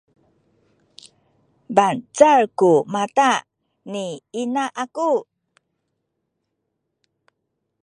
bangcal ku mata ni ina aku